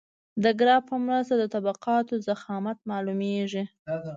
د ګراف په مرسته د طبقاتو ضخامت معلومیږي